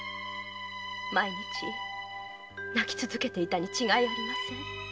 毎日泣き続けていたに違いありません。